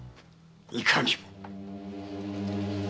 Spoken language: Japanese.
いかにも。